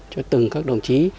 cho từng các đồng chí